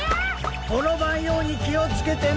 ころばんようにきをつけてな。